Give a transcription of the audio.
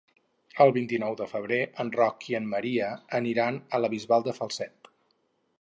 El vint-i-nou de febrer en Roc i en Maria aniran a la Bisbal de Falset.